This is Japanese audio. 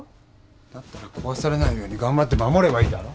だったら壊されないように頑張って守ればいいだろ。